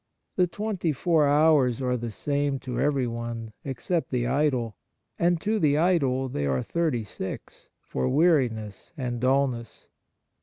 The twenty four hours are the same to everyone, except the idle, and to the idle they are thirty six, for weariness and dul ness.